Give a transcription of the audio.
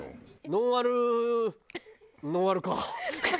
「ノンアルノンアルかあ」。